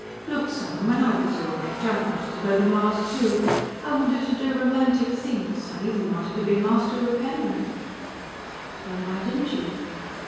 "Look, Son, when I was your age I wanted to go to Mars, too. I wanted to do romantic things. I even wanted to be a Master Repairman." "Then why didn't you?"